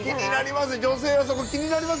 気になります